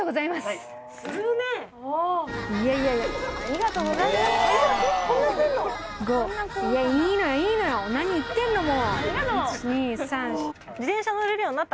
いいのよ。